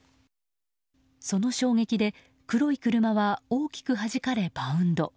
その衝撃で黒い車は大きくはじかれバウンド。